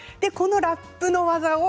ラップの技